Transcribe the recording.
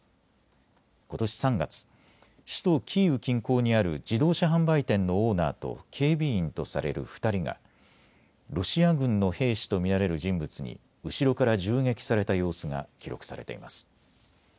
ことし３月、首都キーウ近郊にある自動車販売店のオーナーと警備員とされる２人がロシア軍の兵士と見られる人物に後ろから銃撃された様子が記録されています。